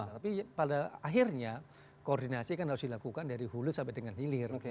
tapi pada akhirnya koordinasi kan harus dilakukan dari hulu sampai dengan hilir